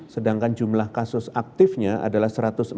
sedangkan jumlah kasus aktifnya adalah satu ratus empat enam ratus lima puluh lima